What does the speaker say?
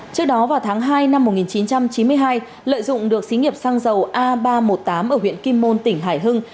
trước đó vào tháng hai năm một nghìn chín trăm chín mươi hai lợi dụng được xí nghiệp xăng dầu a ba trăm một mươi tám ở huyện kim môn tỉnh hải hưng